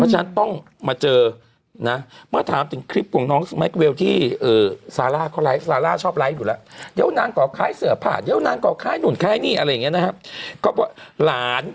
หลานเขาเชื่อใจหลาน